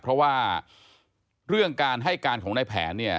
เพราะว่าเรื่องการให้การของในแผน